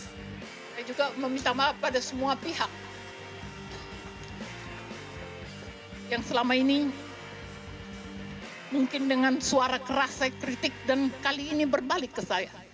saya juga meminta maaf pada semua pihak yang selama ini mungkin dengan suara keras saya kritik dan kali ini berbalik ke saya